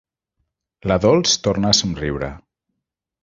La Dols torna a somriure.